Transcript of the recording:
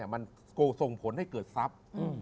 มันส่งผลให้เกิดทรัพย์